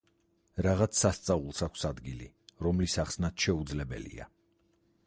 რაღაც სასწაულს აქვს ადგილი, რომლის ახსნაც შეუძლებელია.